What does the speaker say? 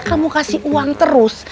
kamu kasih uang terus